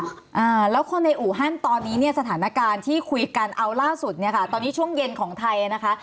อ่าแล้วคนในอู่ฮั่นตอนนี้เนี่ยสถานการณ์ที่คุยกันเอาล่าสุดเนี่ยค่ะตอนนี้ช่วงเย็นของไทยนะคะ